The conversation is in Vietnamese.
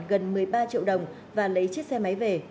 gần một mươi ba triệu đồng và lấy chiếc xe máy về